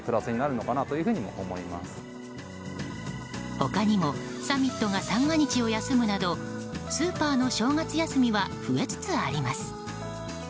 他にもサミットが三が日を休むなどスーパーの正月休みは増えつつあります。